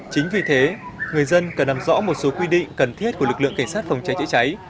chính vì thế người dân cần nằm rõ một số quy định cần thiết của lực lượng cảnh sát phòng cháy chữa cháy